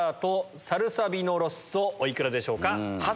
お幾らでしょうか？